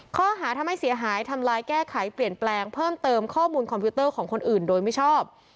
ข้อหาทำให้เสียหายทำลายแก้ไขเปลี่ยนแปลงเพิ่มเติมข้อมูลคอมพิวเตอร์ของคนอื่นโดยไม่ชอบ